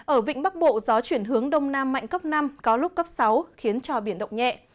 ở vịnh bắc bộ gió chuyển hướng đông nam mạnh cấp năm có lúc cấp sáu khiến cho biển động nhẹ